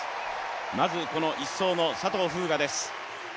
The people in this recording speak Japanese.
まず、この１走の佐藤風雅です。